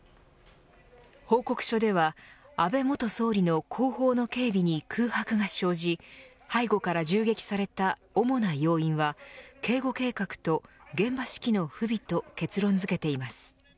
報告書では安倍元総理の後方の警備に空白が生じ背後から銃撃された主な要因は警護計画と現場指揮の不備と結論づけています。